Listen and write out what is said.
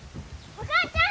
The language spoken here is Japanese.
・お母ちゃん！